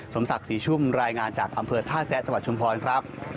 สมศักดิ์ศรีชุ่มรายงานจากอำเภอท่าแซะจังหวัดชุมพรครับ